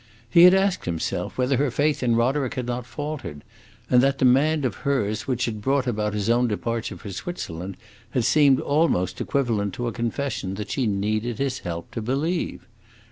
He had asked himself whether her faith in Roderick had not faltered, and that demand of hers which had brought about his own departure for Switzerland had seemed almost equivalent to a confession that she needed his help to believe.